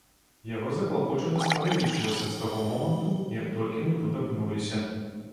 Яго заклапочанасць павялічылася з таго моманту, як толькі мы тут апынуліся.